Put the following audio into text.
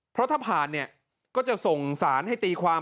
เพราะถ้าผ่านเนี่ยก็จะส่งสารให้ตีความ